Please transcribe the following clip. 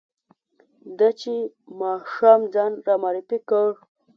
ده چې ماښام ځان را معرفي کړ.